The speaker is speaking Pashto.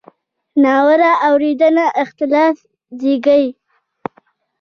ناوړه اورېدنه اختلاف زېږوي.